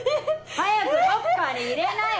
早くロッカーに入れなよ！